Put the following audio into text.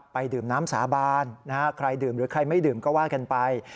ไปดื่มน้ำสาบานใครดื่มหรือใครไม่ดื่มก็ว่ากันไป